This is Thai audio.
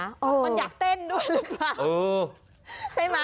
มันอยากเต้นด้วยหรือป่ะ